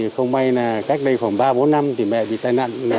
không may là cách đây khoảng ba bốn năm thì mẹ bị tai nạn